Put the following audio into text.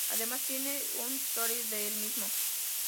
Además tienen una Store de el Mismo